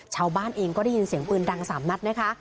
ชาวบ้านเองก็ได้ยินเสียงปืนดัง๓นัดนะคะ